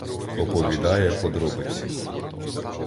Оповідає подробиці.